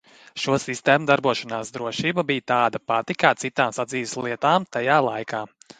Šo sistēmu darbošanās drošība bija tāda pati kā citām sadzīves lietām tajā laikā.